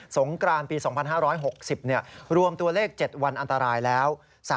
งกรานปี๒๕๖๐รวมตัวเลข๗วันอันตรายแล้ว